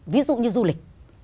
ví dụ như du lịch